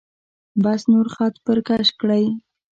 بس نور خط پر کش کړئ.